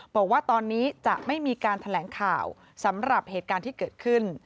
บอกว่าตอนนี้จะไม่มีการแถลงข่าวสำหรับเหตุการณ์ที่เกิดขึ้น